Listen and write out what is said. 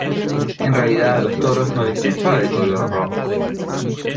En realidad a los toros no les enfada el color rojo.